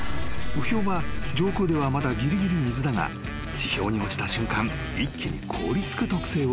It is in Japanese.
［雨氷は上空ではまだぎりぎり水だが地表に落ちた瞬間一気に凍り付く特性を持っている］